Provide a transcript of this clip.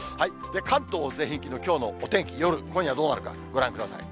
関東全域のきょうのお天気、夜、今夜どうなるか、ご覧ください。